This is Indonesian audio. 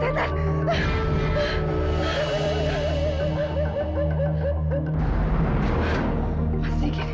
ia masih diri